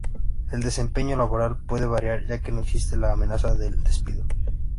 El desempeño laboral puede variar ya que no existe la amenaza de despido.